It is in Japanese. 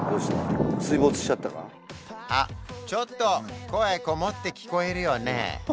あっちょっと声こもって聞こえるよね